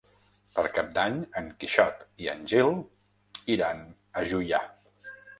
Per Cap d'Any en Quixot i en Gil iran a Juià.